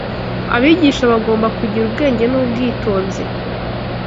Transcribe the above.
Abigisha Bagomba Kugira Ubwenge n’Ubwitonzi